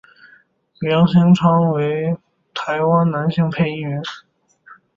梁兴昌为台湾男性配音员。